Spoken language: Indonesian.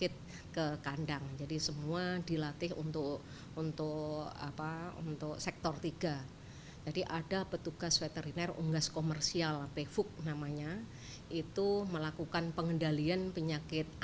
bahwa ada program namanya